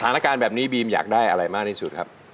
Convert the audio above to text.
อาการแบบนี้บีมอยากได้อะไรมากที่สุดครับ